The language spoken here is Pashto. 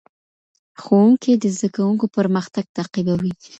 ښوونکی د زدهکوونکو پرمختګ تعقیبوي.